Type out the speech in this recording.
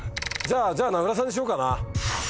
じゃあ名倉さんにしようかな。